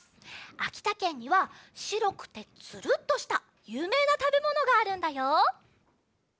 あきたけんにはしろくてつるっとしたゆうめいなたべものがあるんだよ。